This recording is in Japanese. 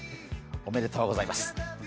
おめでとうございます。